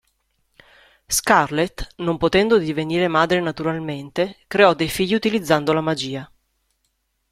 Scarlet, non potendo divenire madre naturalmente, creò dei figli utilizzando la magia.